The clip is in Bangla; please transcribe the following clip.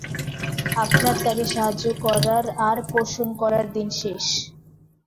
আপনার তাকে সাহায্য করার আর পোষণ করার দিন শেষ।